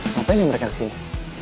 kenapa ini mereka kesini